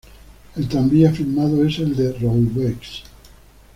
El tranvía filmado es el de Roubaix.